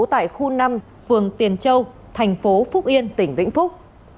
tại khu năm phường tiền châu tp phúc yên tỉnh vĩnh phúc